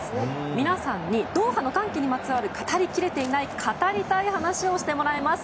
皆さんにドーハの歓喜にまつわる語り切れていない語りたい話を語ってもらいます。